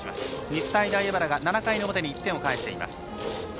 日体大荏原が７回の表に１点を返しています。